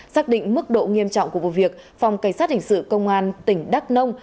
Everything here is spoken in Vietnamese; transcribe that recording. xác định mức độ nghiêm trọng của vụ việc phòng cảnh sát hình sự công an tỉnh đắk nông